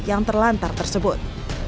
yang terlantar tersebut